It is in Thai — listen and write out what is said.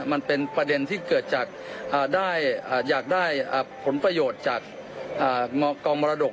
มันเป็นประเด็นที่เกิดจากอยากได้ผลประโยชน์จากกองมรดก